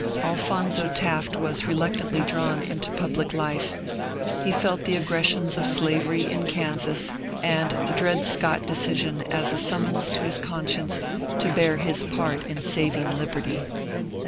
Alphonzo Taft was reluctantly drawn into public life ; he felt the aggressions of slavery in E^ansas and the Dred Scott decision as a sum mons to his conscience to bear his part in saving Liberty.